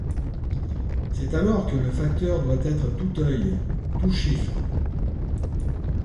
C’est alors que le facteur doit être tout œil, tout chiffre.